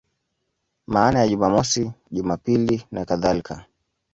Maana ya Jumamosi, Jumapili nakadhalika.